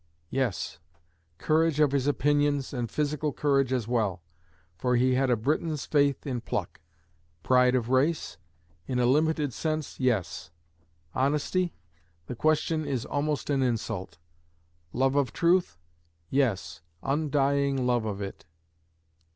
Yes; courage of his opinions, and physical courage as well; for he had a Briton's faith in pluck. Pride of race? In a limited sense, yes. Honesty? The question is almost an insult. Love of truth? Yes, undying love of it.